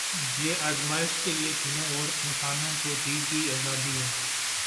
یہ آزمایش کے لیے جنوں اور انسانوں کو دی گئی آزادی ہے